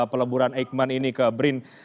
peleburan eijkman ini ke brin